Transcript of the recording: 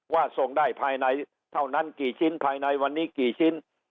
ส่งได้ภายในเท่านั้นกี่ชิ้นภายในวันนี้กี่ชิ้น